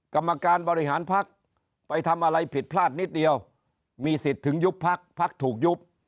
กรรมการบริหารพักไปทำอะไรผิดพลาดนิดเดียวมีสิทธิ์ถึงยุบพักพักถูกยุบ